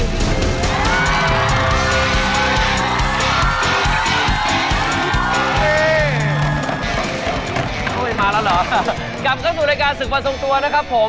กลับกันสู่รายการศึกประสงค์ตัวนะครับผม